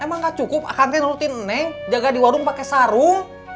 emang gak cukup akang teh nolotin nenek jaga di warung pakai sarung